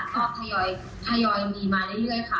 พยายามีมาเรื่อยค่ะ